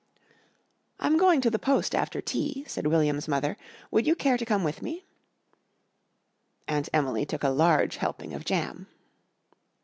"I'm going to the post after tea," said William's mother. "Would you care to come with me?" Aunt Emily took a large helping of jam.